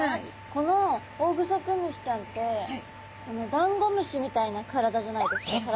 このオオグソクムシちゃんってダンゴムシみたいな体じゃないですか。